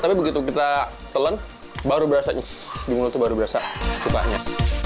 tapi begitu kita telan baru berasa nyis di mulut itu baru berasa sukanya